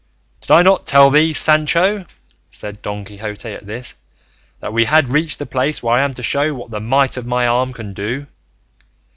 "Did I not tell thee, Sancho," said Don Quixote at this, "that we had reached the place where I am to show what the might of my arm can do?